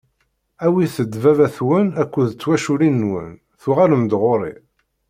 Awit-d baba-twen akked twaculin-nwen, tuɣalem-d ɣur-i.